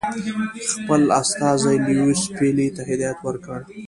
خپل استازي لیویس پیلي ته هدایت ورکړ.